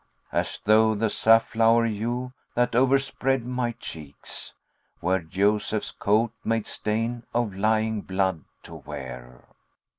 As though the safflower hue, that overspread my cheeks, * Were Joseph's coat made stain of lying blood to wear."